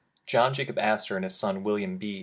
John Jacob Astor and his son, William B.